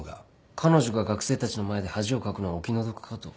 彼女が学生たちの前で恥をかくのはお気の毒かと。